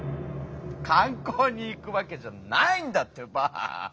観光に行くわけじゃないんだってば！